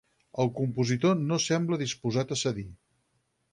El compositor no sembla disposat a cedir.